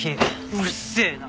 うるせえな！